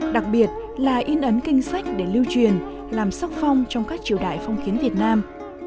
đặc biệt là yên ấn kinh sách để lưu truyền làm sóc phong trong các triều đại phong khiến việt nam